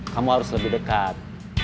kamu harus lebih dekat